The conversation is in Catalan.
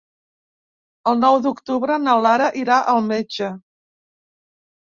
El nou d'octubre na Lara irà al metge.